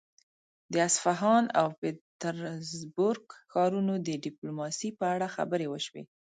د اصفهان او پيترزبورګ ښارونو د ډيپلوماسي په اړه خبرې وشوې.